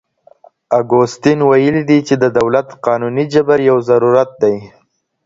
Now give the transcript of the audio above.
اګوستين ويلي دي چي د دولت قانوني جبر يو ضرورت دی.